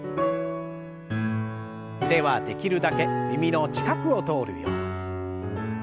腕はできるだけ耳の近くを通るように。